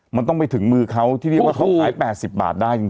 มันต้องไปถึงมือเขาที่เรียกว่าเขาขาย๘๐บาทได้จริง